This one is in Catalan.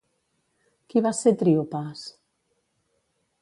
Qui va ser Tríopas?